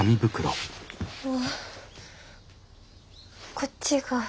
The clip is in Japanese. こっちが。